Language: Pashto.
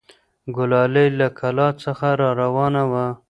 ګلالۍ له کلا څخه راروانه وه.